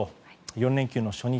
４連休の初日